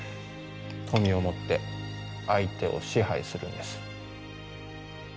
富をもって相手を支配するんです。